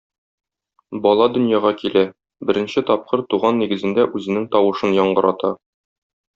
Бала дөньяга килә, беренче тапкыр туган нигезендә үзенең тавышын яңгырата.